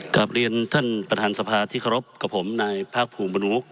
กลับเรียนท่านประธานสภาที่เคารพกับผมนายภาคภูมิมนุษย